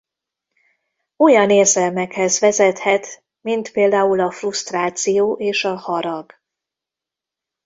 Olyan érzelmekhez vezethet mint például a frusztráció és a harag.